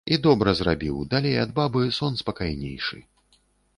І добра зрабіў, далей ад бабы, сон спакайнейшы.